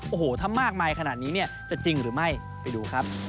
โอ้โหถ้ามากมายขนาดนี้เนี่ยจะจริงหรือไม่ไปดูครับ